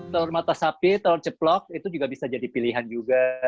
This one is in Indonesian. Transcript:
telur mata sapi telur ceplok itu juga bisa jadi pilihan juga